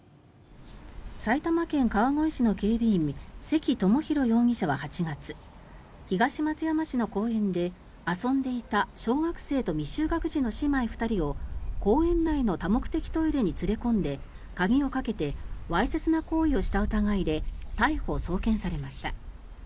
埼玉県川越市の警備員関知洋容疑者は８月東松山市の公園で遊んでいた小学生と未就学児の姉妹２人を公園内の多目的トイレに連れ込んで、鍵をかけてわいせつな行為をした疑いで逮捕・送検されました。